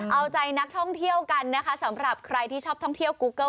เอาใจนักท่องเที่ยวกันนะคะสำหรับใครที่ชอบท่องเที่ยวกูเกิ้